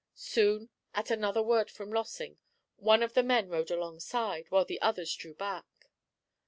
Soon, at another word from Lossing, one of the men rode alongside, while the others drew back.